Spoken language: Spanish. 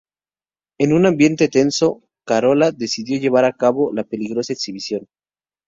En un ambiente tenso, Carola, decidió llevar a cabo la peligrosa exhibición.